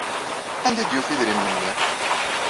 Anda ay d-yufa idrimen-nni?